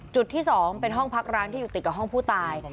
จุดที่๒เป็นห้องพักร้างที่อยู่ติดกับห้องผู้ตาย